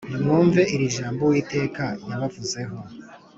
Nimwumve iri jambo Uwiteka yabavuzeho